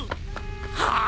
はあ！？